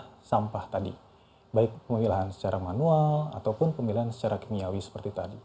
untuk sampah tadi baik pemilahan secara manual ataupun pemilihan secara kimiawi seperti tadi